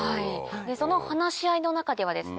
その話し合いの中ではですね